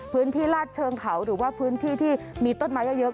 ลาดเชิงเขาหรือว่าพื้นที่ที่มีต้นไม้เยอะ